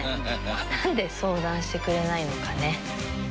なんで相談してくれないのかね？